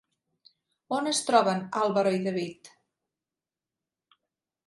On es troben Álvaro i David?